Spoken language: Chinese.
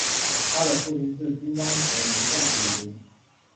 他的父亲是乒乓球名将吕林。